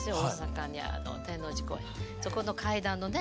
そこの階段のね。